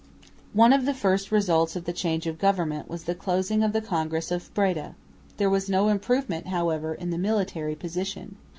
One of the first results of the change of government was the closing of the Congress of Breda. There was no improvement, however, in the military position.